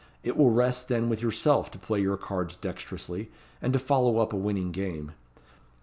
It will rest then with yourself to play your cards dexterously, and to follow up a winning game.